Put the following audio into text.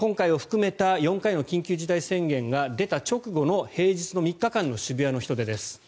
今回を含めた４回の緊急事態宣言が出た直後の平日の３日間の渋谷の人出です。